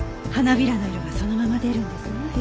花びらの色がそのまま出るんですね。